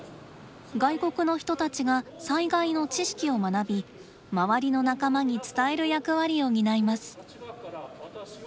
外国の人たちが災害の知識を学び周りの仲間に伝える役割を担います。